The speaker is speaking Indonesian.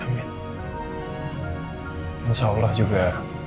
insya allah juga